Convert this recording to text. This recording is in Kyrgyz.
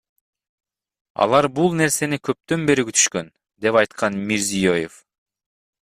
Алар бул нерсени көптөн бери күтүшкөн, — деп айткан Мирзиёев.